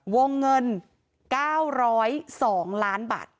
วงเงิน๙๐๒ล้านบาท